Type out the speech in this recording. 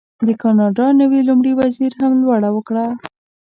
د کاناډا نوي لومړي وزیر هم لوړه وکړه.